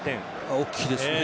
大きいですね。